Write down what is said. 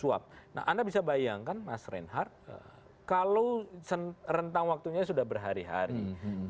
nah anda bisa bayangkan mas reinhardt kalau rentang waktunya sudah berhari hari